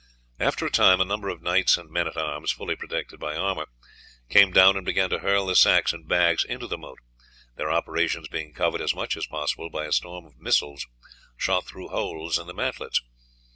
After a time a number of knights and men at arms, fully protected by armour, came down and began to hurl the sacks and bags into the moat, their operations being covered as much as possible by a storm of missiles shot through holes in the mantlets.